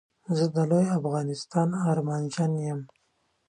زه د لوي افغانستان ارمانژن يم